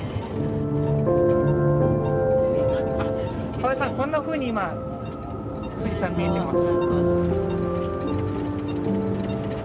河合さんこんなふうに今富士山見えてます。